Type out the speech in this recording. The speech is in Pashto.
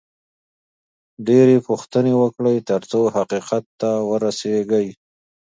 ډېرې پوښتنې وکړئ، ترڅو حقیقت ته ورسېږئ